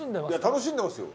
楽しんでますよ。